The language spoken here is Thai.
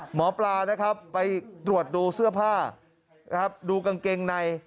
หมอปลานะครับไปตรวจดูเสื้อผ้านะครับดูกางเกงใน